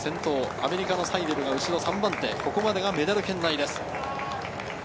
アメリカのサイデルが３番手、ここまでがメダル圏内です。